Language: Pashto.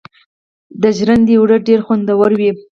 د ژرندې اوړه ډیر خوندور وي.